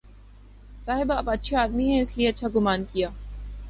صاحب آپ اچھے آدمی ہیں، اس لیے اچھا گمان کیا۔